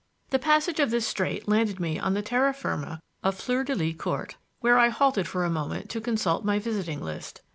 The passage of this strait landed me on the terra firma of Fleur de Lys Court, where I halted for a moment to consult my visiting list.